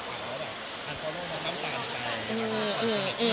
แบบว่าเอาน่าจบคำตามไป